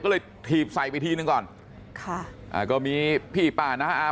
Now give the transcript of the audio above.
ก็เลยถีบใส่ไปทีนึงก่อนค่ะก็มีพี่ป่านนะครับ